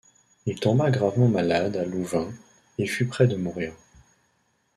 Il tomba gravement malade à Louvain, et fut près de mourir.